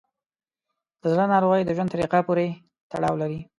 د زړه ناروغۍ د ژوند طریقه پورې تړاو لري.